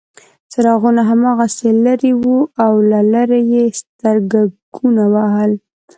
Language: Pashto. څراغونه هماغسې لرې وو او له لرې یې سترګکونه وهل.